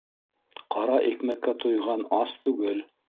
Ҡара икмәккә туйған ас түгел.